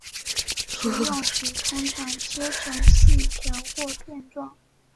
食用时通常切成细条或片状。